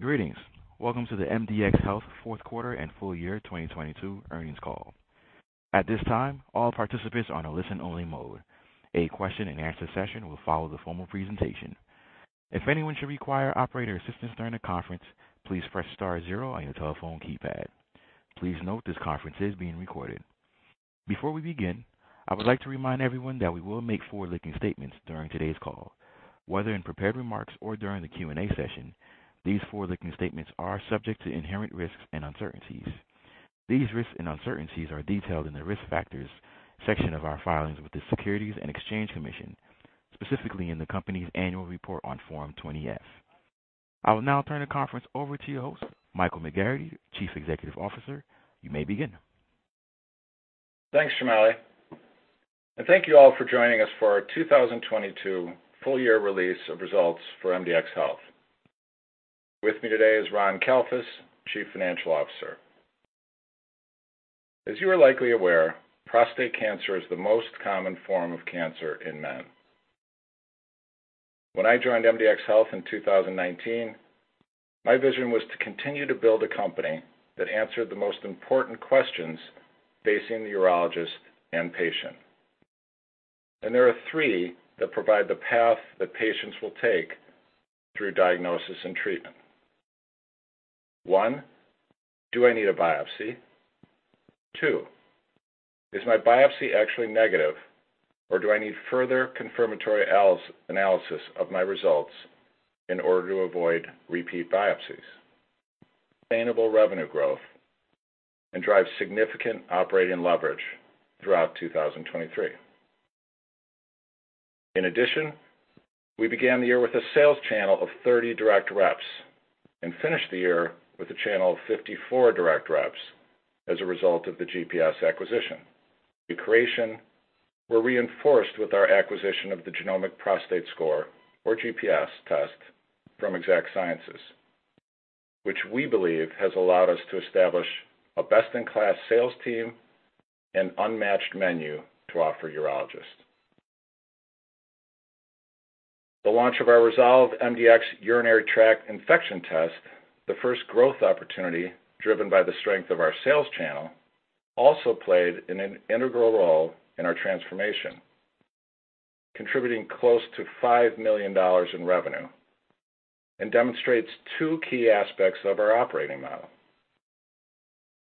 Greetings. Welcome to the MDxHealth and Full Year 2022 earnings call. At this time, all participants are on a listen-only mode. A question-and-answer session will follow the formal presentation. If anyone should require operator assistance during the conference, please press star zero on your telephone keypad. Please note this conference is being recorded. Before we begin, I would like to remind everyone that we will make forward-looking statements during today's call, whether in prepared remarks or during the Q&A session. These forward-looking statements are subject to inherent risks and uncertainties. These risks and uncertainties are detailed in the Risk Factors section of our filings with the Securities and Exchange Commission, specifically in the company's annual report on Form 20-F. I will now turn the conference over to your host, Michael McGarrity, Chief Executive Officer. You may begin. Thanks, Jamali. Thank you all for joining us for our 2022 full-year release of results for MDxHealth. With me today is Ron Kalfus, Chief Financial Officer. As you are likely aware, prostate cancer is the most common form of cancer in men. When I joined MDxHealth in 2019, my vision was to continue to build a company that answered the most important questions facing the urologist and patient. There are three that provide the path that patients will take through diagnosis and treatment. One, do I need a biopsy? Two, is my biopsy actually negative or do I need further confirmatory analysis of my results in order to avoid repeat biopsies? Sustainable revenue growth and drive significant operating leverage throughout 2023. In addition, we began the year with a sales channel of 30 direct reps and finished the year with a channel of 54 direct reps as a result of the GPS acquisition. The creation were reinforced with our acquisition of the Genomic Prostate Score, or GPS test from Exact Sciences, which we believe has allowed us to establish a best-in-class sales team and unmatched menu to offer urologists. The launch of our ResolveMDx urinary tract infection test, the first growth opportunity driven by the strength of our sales channel, also played an integral role in our transformation, contributing close to $5 million in revenue and demonstrates two key aspects of our operating model.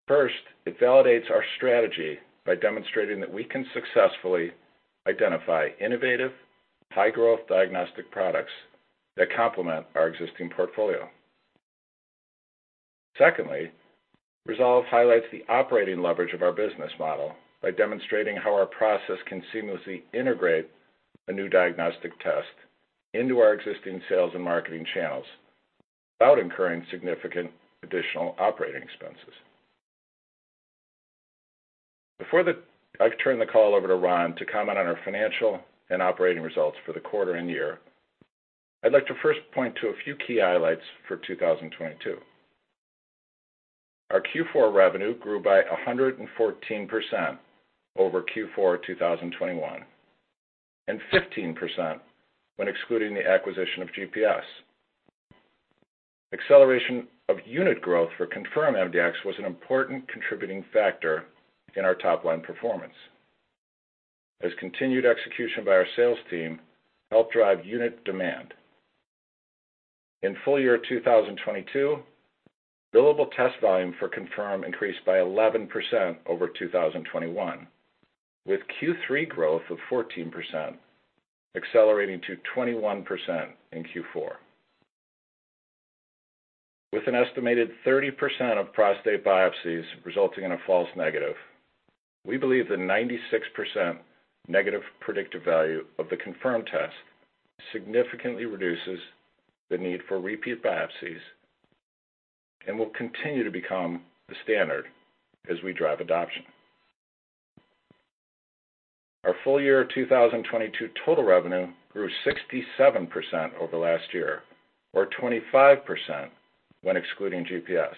First, it validates our strategy by demonstrating that we can successfully identify innovative, high-growth diagnostic products that complement our existing portfolio. ResolveMDx highlights the operating leverage of our business model by demonstrating how our process can seamlessly integrate a new diagnostic test into our existing sales and marketing channels without incurring significant additional operating expenses. Before I turn the call over to Ron to comment on our financial and operating results for the quarter and year, I'd like to first point to a few key highlights for 2022. Our Q4 revenue grew by 114% over Q4 2021, and 15% when excluding the acquisition of GPS. Acceleration of unit growth for ConfirmMDx was an important contributing factor in our top-line performance as continued execution by our sales team helped drive unit demand. In full year 2022, billable test volume for ConfirmMDx increased by 11% over 2021, with Q3 growth of 14% accelerating to 21% in Q4. With an estimated 30% of prostate biopsies resulting in a false negative, we believe the 96% negative predictive value of the ConfirmMDx test significantly reduces the need for repeat biopsies and will continue to become the standard as we drive adoption. Our full year 2022 total revenue grew 67% over last year, or 25% when excluding GPS,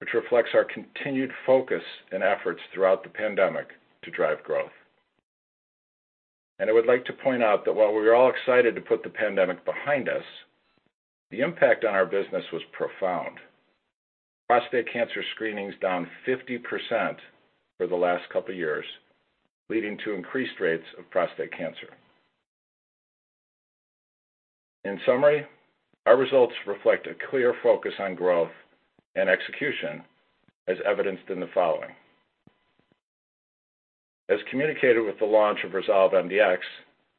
which reflects our continued focus and efforts throughout the pandemic to drive growth. I would like to point out that while we were all excited to put the pandemic behind us, the impact on our business was profound. Prostate cancer screening's down 50% for the last couple years, leading to increased rates of prostate cancer. In summary, our results reflect a clear focus on growth and execution as evidenced in the following. As communicated with the launch of ResolveMDx,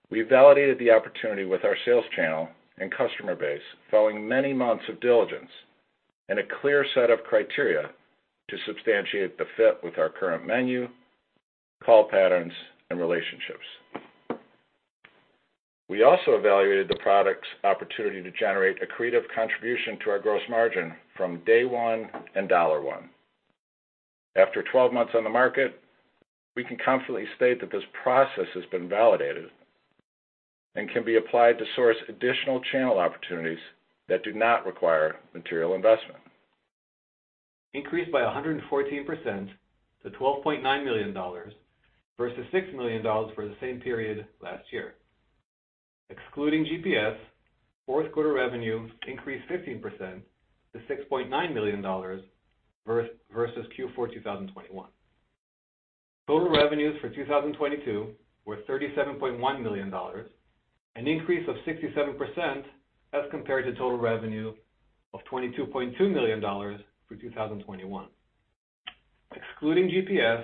we validated the opportunity with our sales channel and customer base following many months of diligence and a clear set of criteria to substantiate the fit with our current menu, call patterns and relationships. We also evaluated the product's opportunity to generate accretive contribution to our gross margin from day one and $1. After 12 months on the market, we can confidently state that this process has been validated and can be applied to source additional channel opportunities that do not require material investment. Increased by 114% to $12.9 million versus $6 million for the same period last year. Excluding GPS, Q4 revenue increased 15% to $6.9 million versus Q4 2021. Total revenues for 2022 were $37.1 million, an increase of 67% as compared to total revenue of $22.2 million for 2021. Excluding GPS,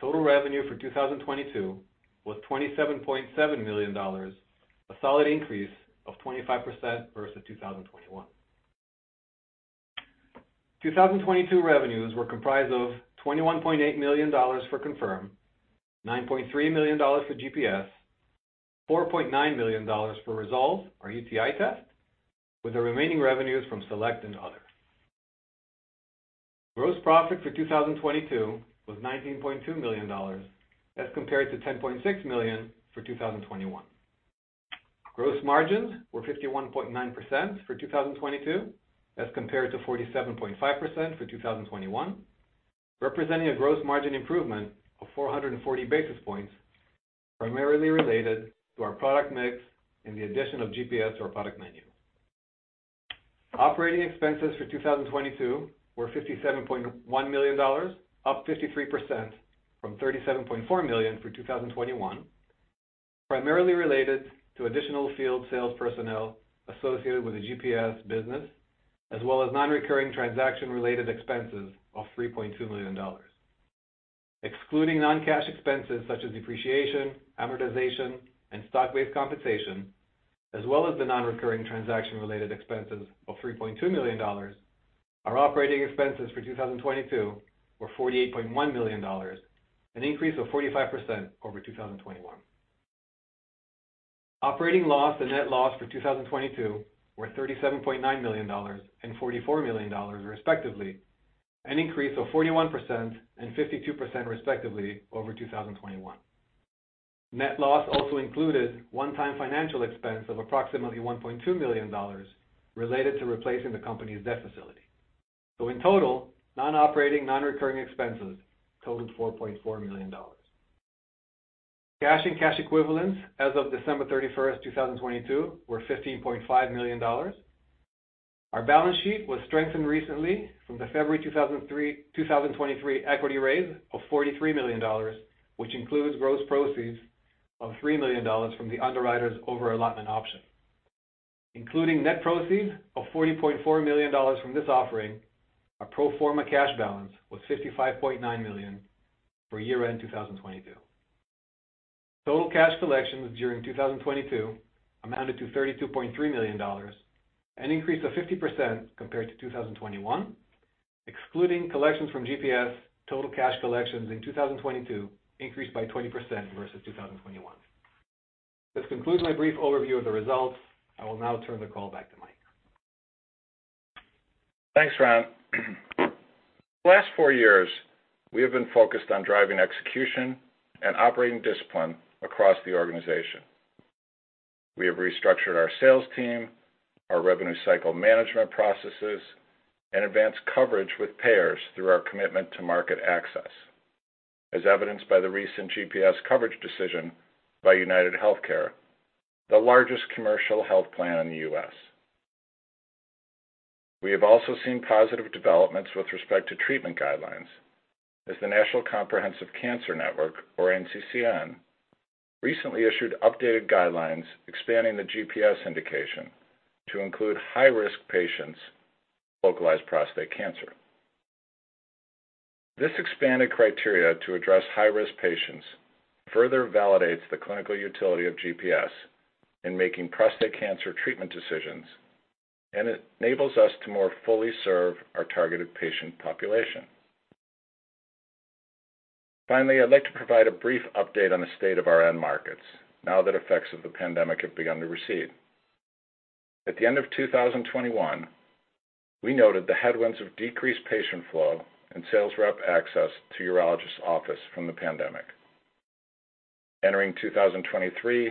total revenue for 2022 was $27.7 million, a solid increase of 25% versus 2021. 2022 revenues were comprised of $21.8 million for Confirm, $9.3 million for GPS, $4.9 million for Resolve or UTI test, with the remaining revenues from Select and other. Gross profit for 2022 was $19.2 million, as compared to $10.6 million for 2021. Gross margins were 51.9% for 2022, as compared to 47.5% for 2021, representing a gross margin improvement of 440 basis points, primarily related to our product mix and the addition of GPS to our product menu. Operating expenses for 2022 were $57.1 million, up 53% from $37.4 million for 2021, primarily related to additional field sales personnel associated with the GPS business, as well as non-recurring transaction-related expenses of $3.2 million. Excluding non-cash expenses such as depreciation, amortization, and stock-based compensation, as well as the non-recurring transaction-related expenses of $3.2 million, our operating expenses for 2022 were $48.1 million, an increase of 45% over 2021. Operating loss and net loss for 2022 were $37.9 million and $44 million, respectively, an increase of 41% and 52%, respectively, over 2021. Net loss also included one-time financial expense of approximately $1.2 million related to replacing the company's debt facility. In total, non-operating, non-recurring expenses totaled $4.4 million. Cash and cash equivalents as of December 31, 2022, were $15.5 million. Our balance sheet was strengthened recently from the February 2003... 2023 equity raise of $43 million, which includes gross proceeds of $3 million from the underwriter's over-allotment option. Including net proceeds of $40.4 million from this offering, our pro forma cash balance was $55.9 million for year-end 2022. Total cash collections during 2022 amounted to $32.3 million, an increase of 50% compared to 2021. Excluding collections from GPS, total cash collections in 2022 increased by 20% versus 2021. This concludes my brief overview of the results. I will now turn the call back to Mike. Thanks, Ron. The last four years, we have been focused on driving execution and operating discipline across the organization. We have restructured our sales team, our revenue cycle management processes, and advanced coverage with payers through our commitment to market access, as evidenced by the recent GPS coverage decision by UnitedHealthcare, the largest commercial health plan in the U.S. We have also seen positive developments with respect to treatment guidelines as the National Comprehensive Cancer Network, or NCCN, recently issued updated guidelines expanding the GPS indication to include high-risk patients localized prostate cancer. This expanded criteria to address high-risk patients further validates the clinical utility of GPS in making prostate cancer treatment decisions, and enables us to more fully serve our targeted patient population. Finally, I'd like to provide a brief update on the state of our end markets now that effects of the pandemic have begun to recede. At the end of 2021, we noted the headwinds of decreased patient flow and sales rep access to urologist office from the pandemic. Entering 2023,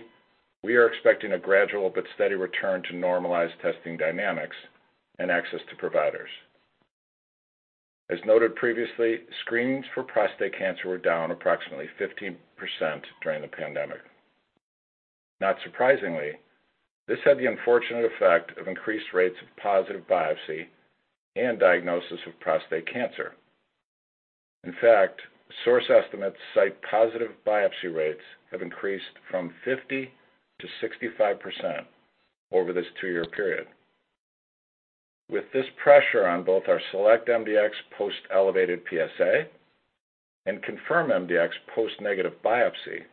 we are expecting a gradual but steady return to normalized testing dynamics and access to providers. As noted previously, screenings for prostate cancer were down approximately 15% during the pandemic. Not surprisingly, this had the unfortunate effect of increased rates of positive biopsy and diagnosis of prostate cancer. In fact, source estimates cite positive biopsy rates have increased from 50% to 65% over this two-year period. With this pressure on both our SelectMDx post-elevated PSA and ConfirmMDx post-negative biopsy,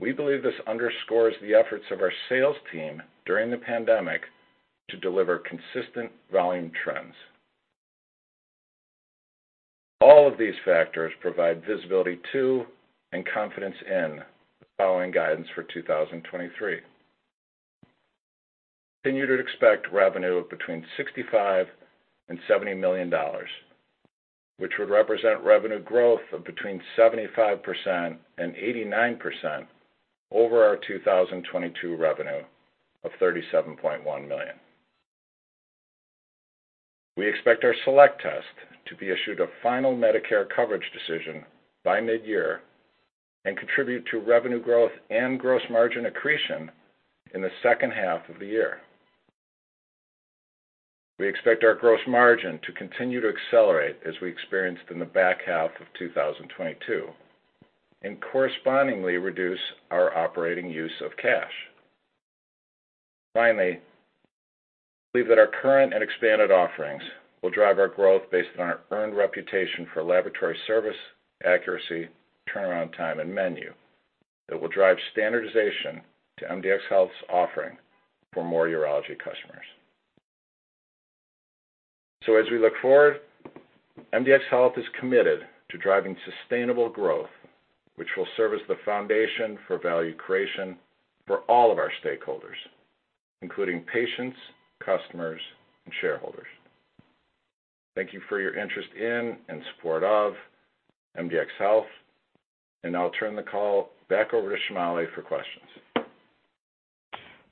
we believe this underscores the efforts of our sales team during the pandemic to deliver consistent volume trends. All of these factors provide visibility to and confidence in the following guidance for 2023. Continue to expect revenue of between $65 million-$70 million, which would represent revenue growth of between 75% and 89%, over our 2022 revenue of $37.1 million. We expect our select test to be issued a final Medicare coverage decision by mid-year and contribute to revenue growth and gross margin accretion in the second half of the year. We expect our gross margin to continue to accelerate as we experienced in the back half of 2022, and correspondingly reduce our operating use of cash. Finally, we believe that our current and expanded offerings will drive our growth based on our earned reputation for laboratory service, accuracy, turnaround time, and menu that will drive standardization to MDxHealth's offering for more urology customers. As we look forward, MDxHealth is committed to driving sustainable growth, which will serve as the foundation for value creation for all of our stakeholders, including patients, customers, and shareholders. Thank you for your interest in and support of MDxHealth, and I'll turn the call back over to Jamali for questions.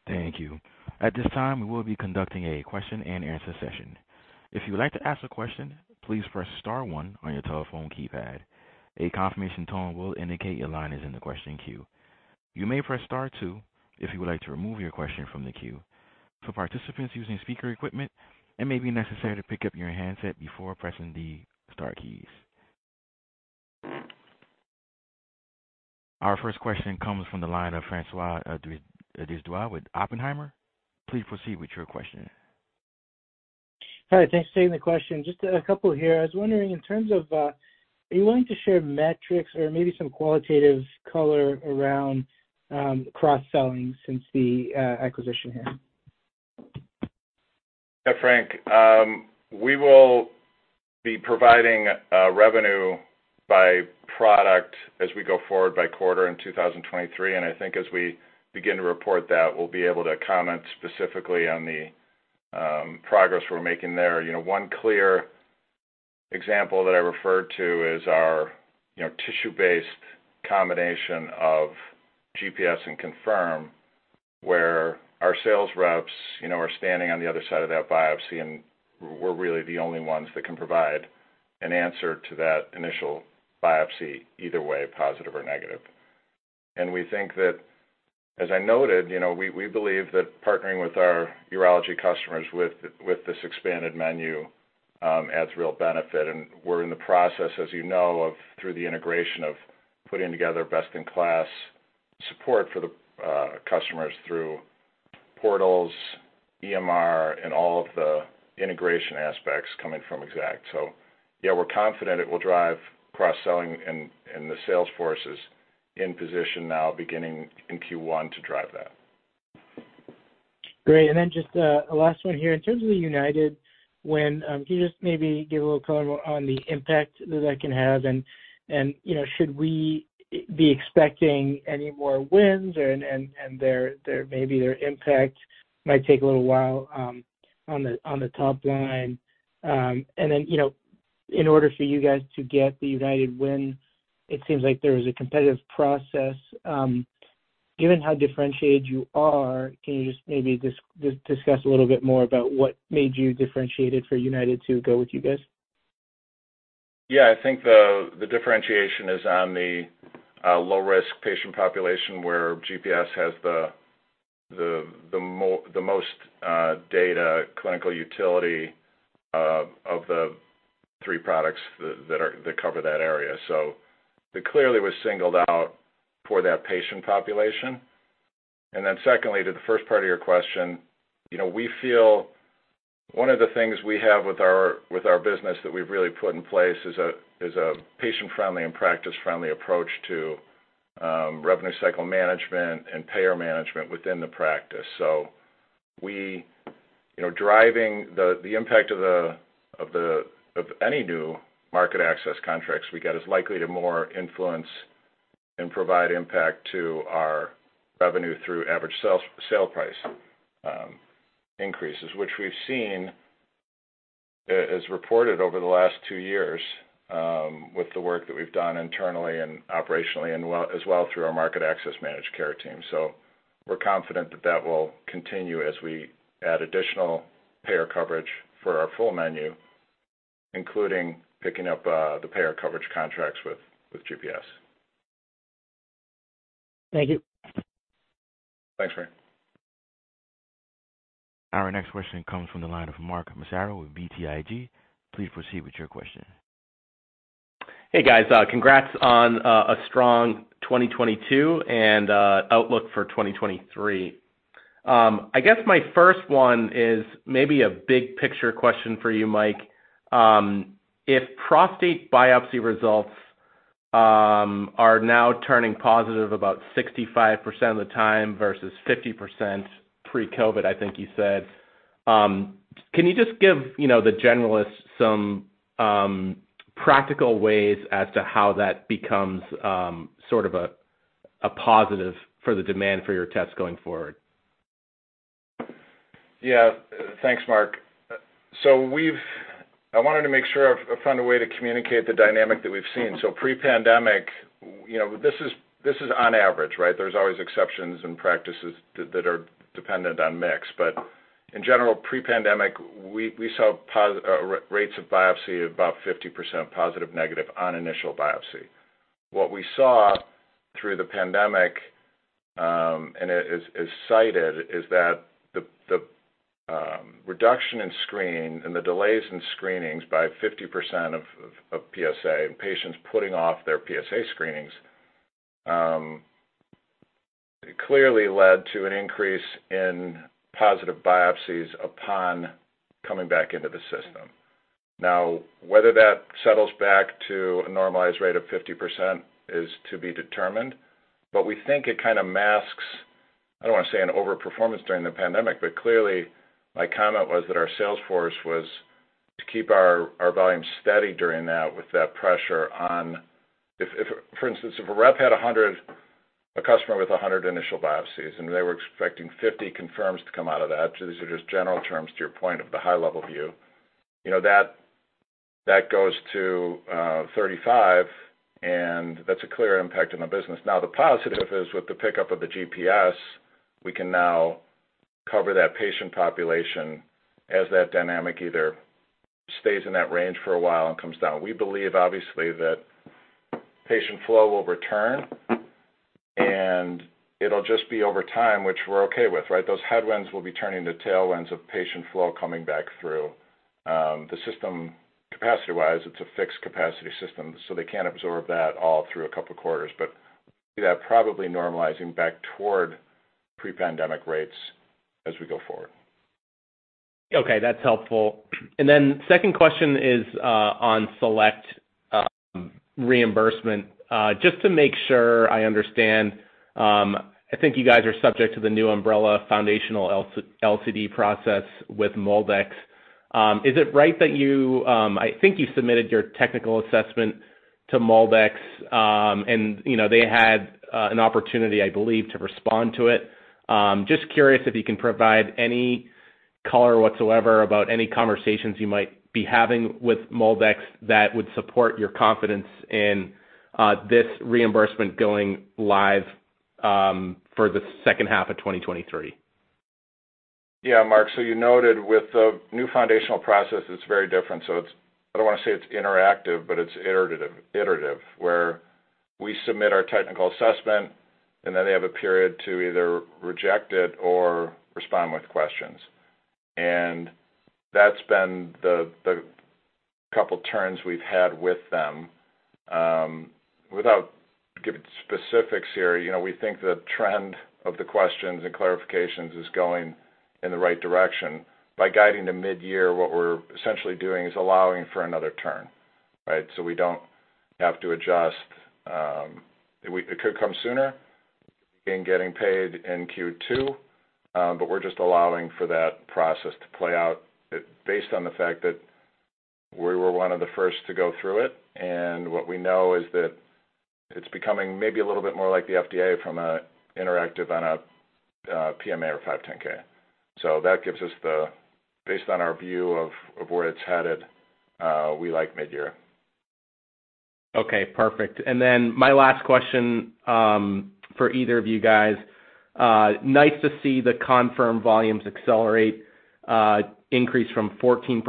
Thank you. At this time, we will be conducting a question-and-answer session. If you would like to ask a question, please press star one on your telephone keypad. A confirmation tone will indicate your line is in the question queue. You may press star two if you would like to remove your question from the queue. For participants using speaker equipment, it may be necessary to pick up your handset before pressing the star keys. Our first question comes from the line of François Brisebois with Oppenheimer. Please proceed with your question. Hi. Thanks for taking the question. Just a couple here. I was wondering, in terms of, are you willing to share metrics or maybe some qualitative color around cross-selling since the acquisition here? Frank, we will be providing revenue by product as we go forward by quarter in 2023. I think as we begin to report that, we'll be able to comment specifically on the progress we're making there. You know, one clear example that I referred to is our, you know, tissue-based combination of GPS and Confirm, where our sales reps, you know, are standing on the other side of that biopsy, and we're really the only ones that can provide an answer to that initial biopsy either way, positive or negative. We think that, as I noted, you know, we believe that partnering with our urology customers with this expanded menu, adds real benefit, and we're in the process, as you know, of through the integration of putting together best-in-class support for the customers through portals, EMR, and all of the integration aspects coming from Exact. Yeah, we're confident it will drive cross-selling and the sales forces in position now beginning in Q1 to drive that. Great. Just a last one here. In terms of the United win, can you just maybe give a little color on the impact that that can have and, you know, should we be expecting any more wins and their maybe their impact might take a little while on the top line? You know, in order for you guys to get the United win, it seems like there was a competitive process. Given how differentiated you are, can you just maybe discuss a little bit more about what made you differentiated for United to go with you guys? I think the differentiation is on the low-risk patient population where GPS has the most data clinical utility of the three products that cover that area. It clearly was singled out for that patient population. Secondly, to the first part of your question, you know, we feel one of the things we have with our, with our business that we've really put in place is a patient-friendly and practice-friendly approach to revenue cycle management and payer management within the practice. We... You know, driving the impact of any new market access contracts we get is likely to more influence and provide impact to our revenue through average sale price increases, which we've seen as reported over the last two years with the work that we've done internally and operationally as well through our market access managed care team. We're confident that that will continue as we add additional payer coverage for our full menu, including picking up the payer coverage contracts with GPS. Thank you. Thanks, Frank. Our next question comes from the line of Mark Massaro with BTIG. Please proceed with your question. Hey, guys. congrats on a strong 2022 and outlook for 2023. I guess my first one is maybe a big-picture question for you, Mike. If prostate biopsy results are now turning positive about 65% of the time versus 50% pre-COVID, I think you said, can you just give, you know, the generalists some practical ways as to how that becomes sort of a positive for the demand for your tests going forward? Yeah. Thanks, Mark. We've I wanted to make sure I found a way to communicate the dynamic that we've seen. Pre-pandemic, you know, this is on average, right? There's always exceptions and practices that are dependent on mix. In general, pre-pandemic, we saw rates of biopsy about 50% positive, negative on initial biopsy. What we saw through the pandemic, and it is cited, is that the reduction in screen and the delays in screenings by 50% of PSA and patients putting off their PSA screenings, clearly led to an increase in positive biopsies upon coming back into the system. Now, whether that settles back to a normalized rate of 50% is to be determined. We think it kind of masks, I don't wanna say an over-performance during the pandemic, clearly, my comment was that our sales force was to keep our volume steady during that with that pressure on. If, for instance, if a rep had 100 initial biopsies, and they were expecting 50 confirms to come out of that, these are just general terms to your point of the high level view, you know, that goes to 35, and that's a clear impact on the business. The positive is with the pickup of the GPS, we can now cover that patient population as that dynamic either stays in that range for a while and comes down. We believe, obviously, that patient flow will return, and it'll just be over time, which we're okay with, right? Those headwinds will be turning to tailwinds of patient flow coming back through the system capacity-wise. It's a fixed capacity system, so they can't absorb that all through a couple quarters. See that probably normalizing back toward pre-pandemic rates as we go forward. Okay, that's helpful. Then second question is on Select reimbursement. Just to make sure I understand, I think you guys are subject to the new umbrella foundational LCD process with MolDX. Is it right that you submitted your technical assessment to MolDX, and, you know, they had an opportunity, I believe, to respond to it. Just curious if you can provide any color whatsoever about any conversations you might be having with MolDX that would support your confidence in this reimbursement going live for the second half of 2023. Yeah, Mark. You noted with the new foundational process, it's very different. It's I don't wanna say it's interactive, but it's iterative, where we submit our technical assessment, and then they have a period to either reject it or respond with questions. That's been the couple turns we've had with them. Without giving specifics here, you know, we think the trend of the questions and clarifications is going in the right direction. By guiding to mid-year, what we're essentially doing is allowing for another turn, right? We don't have to adjust. It could come sooner in getting paid in Q2, we're just allowing for that process to play out based on the fact that we were one of the first to go through it. What we know is that it's becoming maybe a little bit more like the FDA from a interactive on a PMA or 510(k). That gives us the. Based on our view of where it's headed, we like mid-year. Okay, perfect. My last question for either of you guys. Nice to see the ConfirmMDx volumes accelerate, increase from 14% in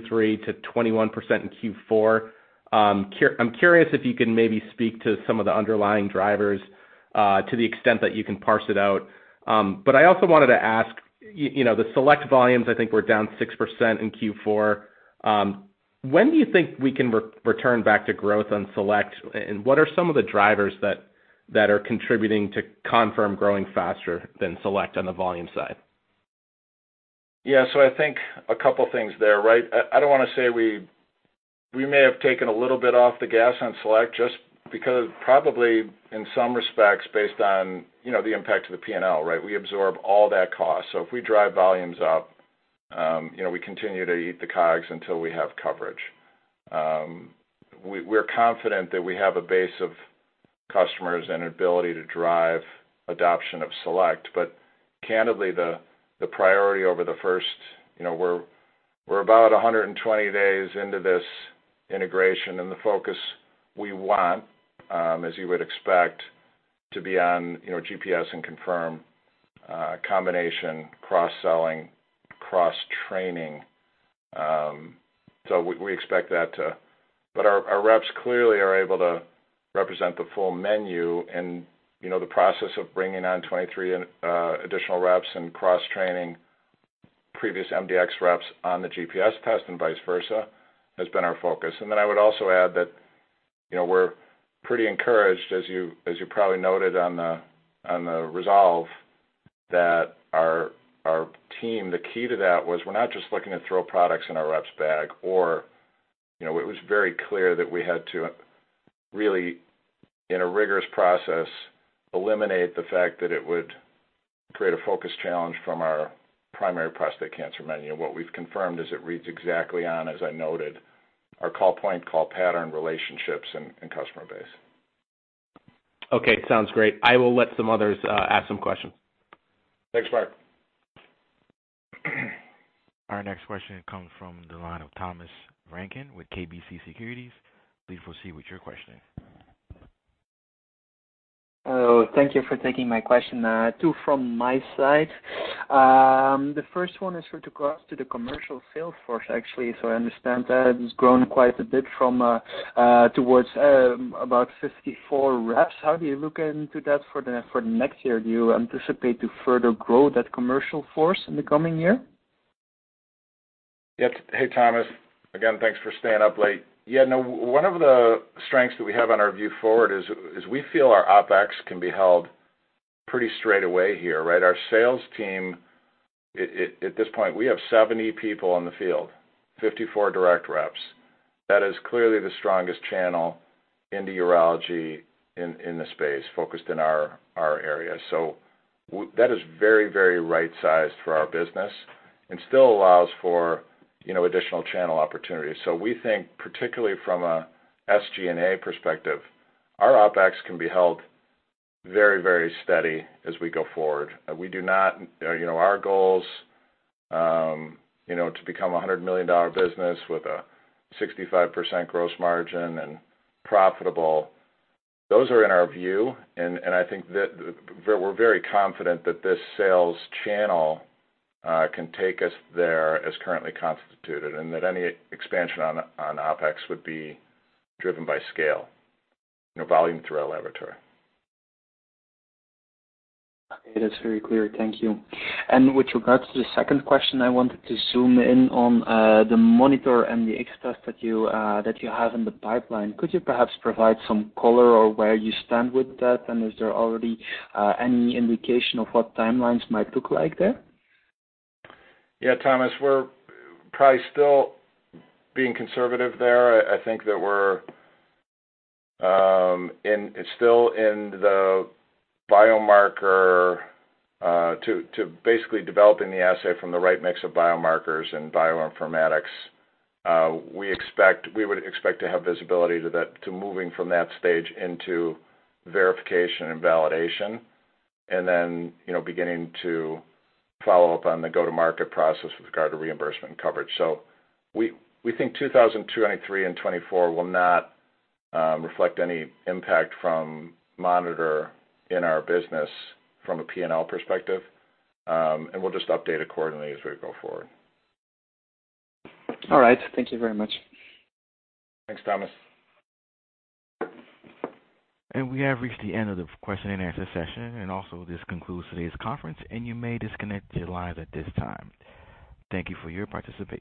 Q3 to 21% in Q4. I'm curious if you can maybe speak to some of the underlying drivers, to the extent that you can parse it out. I also wanted to ask, you know, the SelectMDx volumes, I think, were down 6% in Q4. When do you think we can return back to growth on SelectMDx? What are some of the drivers that are contributing to ConfirmMDx growing faster than SelectMDx on the volume side? Yeah. I think a couple things there, right? I don't wanna say we may have taken a little bit off the gas on SelectMDx just because probably in some respects, based on, you know, the impact to the P&L, right? We absorb all that cost. If we drive volumes up, you know, we continue to eat the COGS until we have coverage. We're confident that we have a base of customers and ability to drive adoption of SelectMDx. Candidly, the priority over the first, you know, we're about 120 days into this integration, and the focus we want, as you would expect to be on, you know, GPS and ConfirmMDx, combination, cross-selling, cross-training. We expect that to. Our reps clearly are able to represent the full menu and, you know, the process of bringing on 23 additional reps and cross-training previous MDx reps on the GPS test and vice versa has been our focus. I would also add that, you know, we're pretty encouraged, as you probably noted on the, on the Resolve that our team, the key to that was we're not just looking to throw products in our reps bag or, you know, it was very clear that we had to really, in a rigorous process, eliminate the fact that it would create a focus challenge from our primary prostate cancer menu. What we've confirmed is it reads exactly on, as I noted, our call point, call pattern relationships and customer base. Okay, sounds great. I will let some others ask some questions. Thanks, Mark. Our next question comes from the line of Thomas Vranken with KBC Securities. Please proceed with your questioning. Thank you for taking my question. Two from my side. The first one is with regards to the commercial sales force, actually. I understand that it's grown quite a bit from towards about 54 reps. How do you look into that for next year? Do you anticipate to further grow that commercial force in the coming year? Yep. Hey, Thomas. Again, thanks for staying up late. No, one of the strengths that we have on our view forward is, we feel our Opex can be held pretty straight away here, right? Our sales team, at this point, we have 70 people on the field, 54 direct reps. That is clearly the strongest channel into urology in the space focused in our area. That is very, very right-sized for our business and still allows for, you know, additional channel opportunities. We think, particularly from a SG&A perspective, our Opex can be held very, very steady as we go forward. We do not... You know, our goal's, you know, to become a $100 million business with a 65% gross margin and profitable. Those are in our view, and I think that we're very confident that this sales channel can take us there as currently constituted, and that any expansion on Opex would be driven by scale, you know, volume through our laboratory. Okay, that's very clear. Thank you. With regards to the second question, I wanted to zoom in on the MonitorMDx test that you have in the pipeline. Could you perhaps provide some color or where you stand with that? Is there already any indication of what timelines might look like there? Yeah, Thomas, we're probably still being conservative there. I think that we're still in the biomarker to basically developing the assay from the right mix of biomarkers and bioinformatics. We would expect to have visibility to that, to moving from that stage into verification and validation, and then, you know, beginning to follow up on the go-to-market process with regard to reimbursement and coverage. We think 2023 and 2024 will not reflect any impact from MonitorMDx in our business from a P&L perspective, and we'll just update accordingly as we go forward. All right. Thank you very much. Thanks, Thomas. We have reached the end of the question and answer session, and also this concludes today's conference, and you may disconnect your lines at this time. Thank you for your participation.